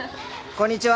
こんにちは。